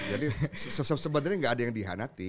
jadi sebenarnya enggak ada yang dihanati